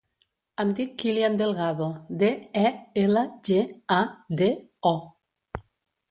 Em dic Kilian Delgado: de, e, ela, ge, a, de, o.